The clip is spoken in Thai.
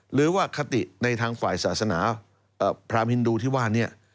หรือว่าคติในทางฝ่ายศาสนาพรามฮินดูที่ว่านี้